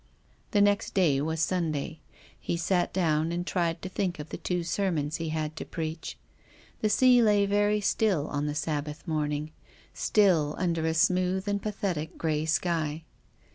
The next day was Sunday. He sat down and tried to think of the two sermons he had to preach. The sea lay very still on the Sabbath morning, still THE GRAVE. 69 under a smooth and pathetic grey sky.